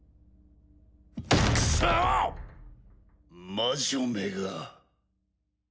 魔女めが。